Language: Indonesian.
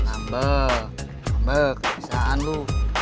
ambel ambel kebisaan lu